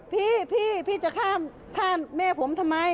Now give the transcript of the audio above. พี่พี่จะข้ามแม่ผมทำไม